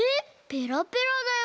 ペラペラだよ？